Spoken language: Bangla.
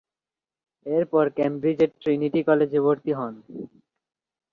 এরপর কেমব্রিজের ট্রিনিটি কলেজে ভর্তি হন।